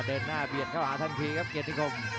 เป็นมวยที่เก็บจักครัวสู้ชกให้ดีครับ